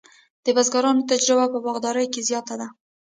د بزګرانو تجربه په باغدارۍ کې زیاته ده.